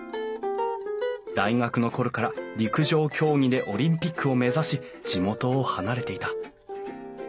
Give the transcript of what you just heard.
大学の頃から陸上競技でオリンピックを目指し地元を離れていた。